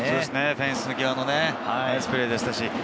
フェンス際のナイスプレーでした。